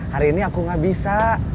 hari ini aku gak bisa